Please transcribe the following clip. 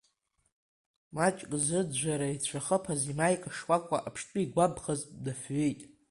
Маҷк зыӡәӡәара ицәахыԥаз имаика шкәакәа аԥштәы игәамԥхазт днафҩит.